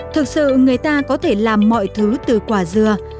thực sự người ta có thể làm mọi thứ từ quả dừa